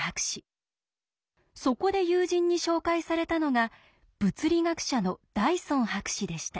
そこで友人に紹介されたのが物理学者のダイソン博士でした。